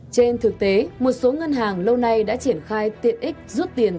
trên thực tế một số ngân hàng lâu nay đã triển khai tiện ích rút tiền